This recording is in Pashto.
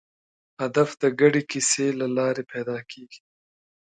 هدف د ګډې کیسې له لارې پیدا کېږي.